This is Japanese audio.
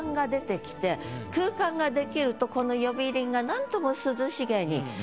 空間ができるとこの「呼び鈴」が何とも。